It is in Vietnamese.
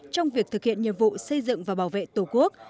trong việc thực hiện nhiệm vụ xây dựng và bảo vệ tổ quốc